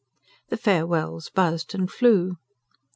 The farewells buzzed and flew.